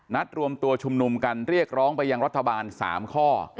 รวมตัวชุมนุมกันเรียกร้องไปยังรัฐบาล๓ข้อ